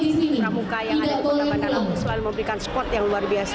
pramuka yang ada di kota bandar selalu memberikan spot yang luar biasa